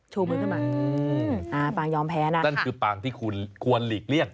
ชูมือขึ้นมาอืมอ่าปางยอมแพ้นะนั่นคือปางที่คุณควรหลีกเลี่ยง